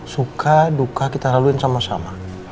suka duka kita laluin sama sama